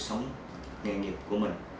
trong giới nhiếp ảnh